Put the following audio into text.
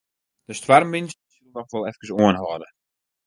De stoarmwyn sil noch wol efkes oanhâlde.